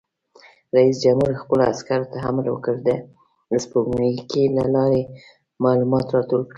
رئیس جمهور خپلو عسکرو ته امر وکړ؛ د سپوږمکۍ له لارې معلومات راټول کړئ!